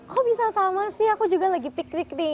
kok bisa sama sih aku juga lagi pikrik nih